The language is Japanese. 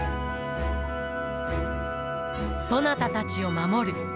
そなたたちを守る。